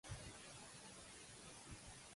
Quina voluntat tenia en Saura?